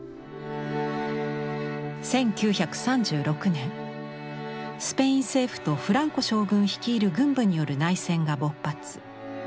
１９３６年スペイン政府とフランコ将軍率いる軍部による内戦が勃発。